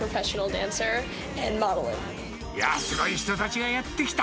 いやー、すごい人たちがやって来た。